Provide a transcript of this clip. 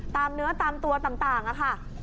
ตามเนื้อตามตัวต่างค่ะ